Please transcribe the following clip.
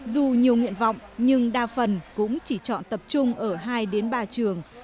dù nhiều nguyện vọng nhưng đa phần cũng chỉ chọn tập trung ở hai đến ba trường